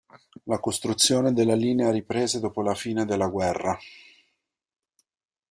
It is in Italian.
La costruzione della linea riprese dopo la fine della guerra.